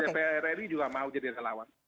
dpr ri juga mau jadi relawan